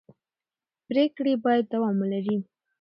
پرېکړې باید دوام ولري